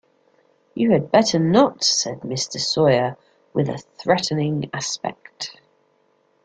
‘You had better not!’ said Mr. Sawyer, with a threatening aspect.